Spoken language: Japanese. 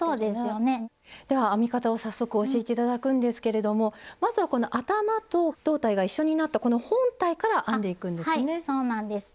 では編み方を早速教えて頂くんですけれどもまずはこの頭と胴体が一緒になったこの本体から編んでいくんですね。